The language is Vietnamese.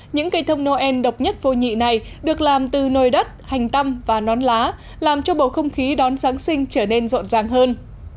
những cây thông noel độc nhất vô nhị này được làm từ nồi đất hành tâm và nón lá làm cho bầu không khí đón giáng sinh trở nên rộn ràng hơn